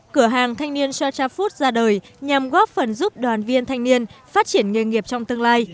cửa hàng thanh niên sachar food ra đời nhằm góp phần giúp đoàn viên thanh niên phát triển nghề nghiệp trong tương lai